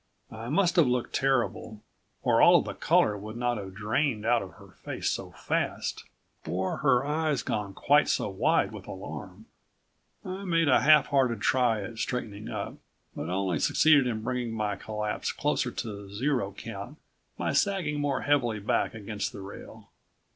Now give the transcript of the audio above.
I must have looked terrible, or all of the color would not have drained out of her face so fast, or her eyes gone quite so wide with alarm. I made a half hearted try at straightening up, but only succeeded in bringing my collapse closer to zero count by sagging more heavily back against the rail.